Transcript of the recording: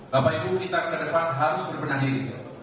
bapak ibu kita ke depan harus berpengadil